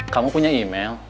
kamu punya email